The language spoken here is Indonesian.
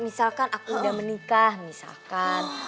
misalkan aku udah menikah misalkan